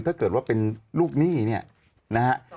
ถ้าเกิดว่าเป็นลูกหนี้นะครับ